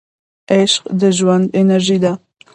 عشق د ژوند انرژي ده.